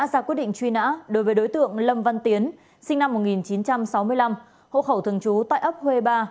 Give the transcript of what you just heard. truy nã đối với đối tượng lâm văn tiến sinh năm một nghìn chín trăm sáu mươi năm hộ khẩu thường trú tại ấp huê ba